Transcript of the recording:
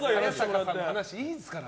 早坂さんの話いいですから。